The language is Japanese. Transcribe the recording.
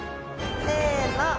せの！